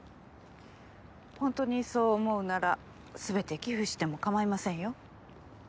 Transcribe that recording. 本当にそう思うなら全て寄付しても構いませんよ。